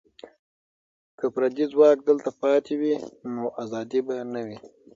که پردي ځواک دلته پاتې وي، نو ازادي به نه وي.